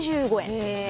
へえ。